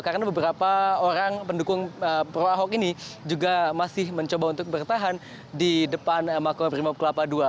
karena beberapa orang pendukung pro ahok ini juga masih mencoba untuk bertahan di depan maklumah pemimpin kelapa ii